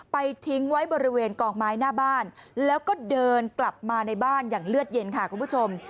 ทิ้งไว้บริเวณกองไม้หน้าบ้านแล้วก็เดินกลับมาในบ้านอย่างเลือดเย็นค่ะคุณผู้ชม